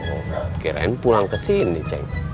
oh kirain pulang kesini ceng